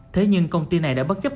thế nhưng công ty này đã bất chấp